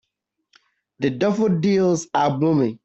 The daffodils are blooming.